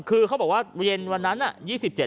คือเขาบอกว่าเย็นวันนั้นน่ะ